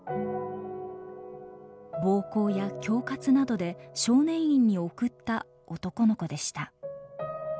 暴行や恐喝などで少年院に送った男の子でした。